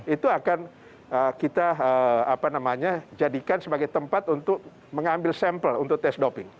itu akan kita jadikan sebagai tempat untuk mengambil sampel untuk tes doping